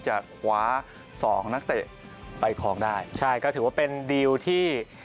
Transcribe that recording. ใช่ก็ถือว่าเป็นดีลที่